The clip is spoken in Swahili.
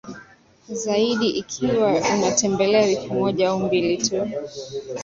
zaidi ikiwa unatembelea wiki moja au mbili tu